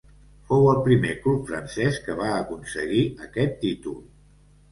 Fou el primer club francès que va aconseguir aquest títol.